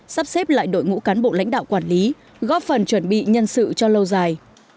sắp xếp lại đội ngũ cán bộ lãnh đạo quản lý góp phần chuẩn bị nhân sự cho lâu dài